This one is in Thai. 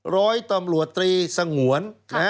ร้อยตำรวจตรีสงวน